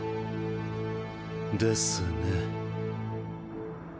ですね。